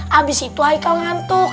habis itu haikal ngantuk